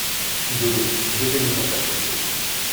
Donnez, je vais vous en faire chauffer.